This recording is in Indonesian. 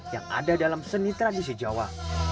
yang ada dalam seni tradisi jawa